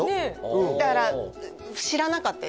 うんだから知らなかったです